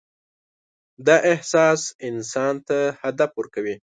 دا احساس انسان ته هدف ورکوي.